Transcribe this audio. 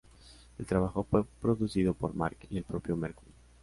El trabajo fue producido por Mack y el propio Mercury.